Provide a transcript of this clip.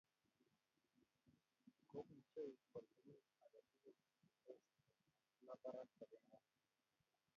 Komuchoi kwal tukk ake tukul che tos kalab barak sobengwai